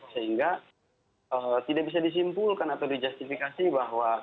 sehingga tidak bisa disimpulkan atau dijastifikasi bahwa